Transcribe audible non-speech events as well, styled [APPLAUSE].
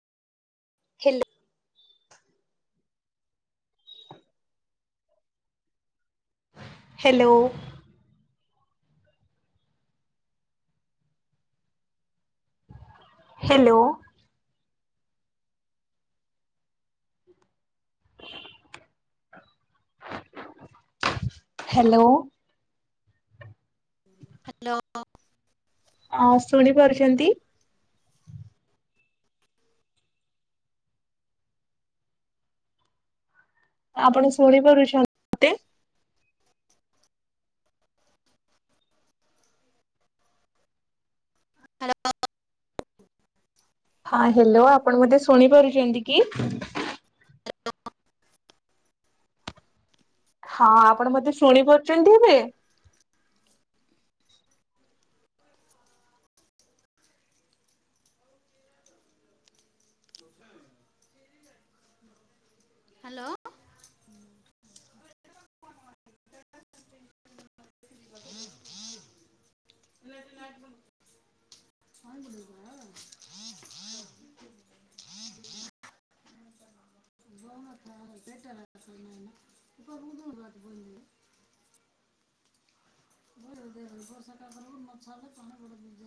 ଖେଲେ। Hello. Hello hello hello ହଁ ଶୁଣିପାରୁଚନ୍ତି ଆପଣ ଶୁଣିପାରୁଚ ତେ ହଁ ହେଲୋ ଆପଣ ମତେ ଶୁଣି ପାରୁଚନ୍ତି କି? ହଁ ଆପଣ ମତେ ଶୁଣିପାରୁଚନ୍ତି ଏବେ [INAUDIBLE] ହାଲୋ ମ ନା [UNINTELLIGIBLE] ହଁ ହଁ ହଁ ହଁ [INAUDIBLE] ବୋଉ ମଥ ଏ ପେଟର କୋଉ ବାଟେ, ବୁଲେ ବ [INAUDIBLE] ବର୍ଷା ଟା ପାଲେ ମଛଲେ ପା [INAUDIBLE]